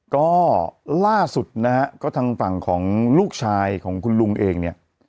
ก็ล่าสุดนะฮะก็ทางฝั่งของลูกชายของคุณลุงเองเนี่ย